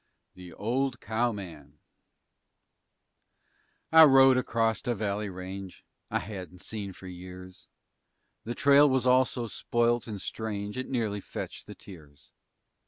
THE OLD COW MAN I rode across a valley range I hadn't seen for years. The trail was all so spoilt and strange It nearly fetched the tears.